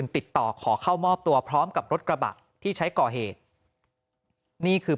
ติดต่อขอเข้ามอบตัวพร้อมกับรถกระบะที่ใช้ก่อเหตุนี่คือ